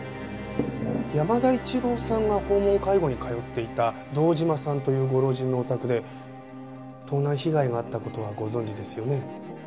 山田一郎さんが訪問介護に通っていた堂島さんというご老人のお宅で盗難被害があった事はご存じですよね？